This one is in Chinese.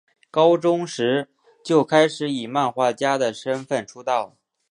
高中时就开始以漫画家的身份出道。